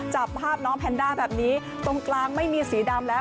จับภาพน้องแพนด้าแบบนี้ตรงกลางไม่มีสีดำแล้ว